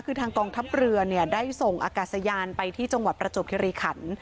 คือทางกองทัพเรือได้ส่งอากาศยานไปที่จังหวัดประจวบคิริขัน